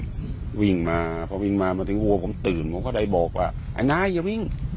ผมวิ่งมาพอวิ่งมามาถึงวัวผมตื่นผมก็ได้บอกว่าไอ้นายอย่าวิ่ง